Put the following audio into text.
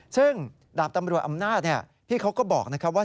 ซึ่งดาบตำรวจอำนาจพี่เขาก็บอกนะครับว่า